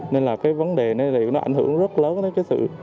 nên là cái vấn đề này thì nó ảnh hưởng rất lớn đến cái sự